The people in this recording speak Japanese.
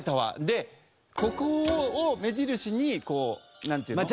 でここを目印になんていうの？